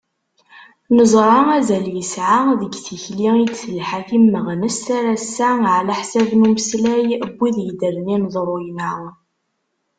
Neẓra azal yesɛa deg tikli i d-telḥa timmeɣnest ar ass-a, ɛlaḥsab n umeslay n wid yeddren ineḍruyen-a.